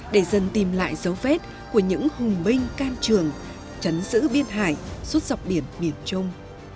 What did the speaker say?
dấu vết của những hùng binh can trường chấn giữ biên hải suốt dọc biển miền trung